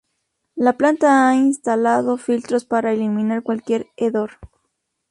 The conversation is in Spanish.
La planta ha instalado filtros para eliminar cualquier hedor.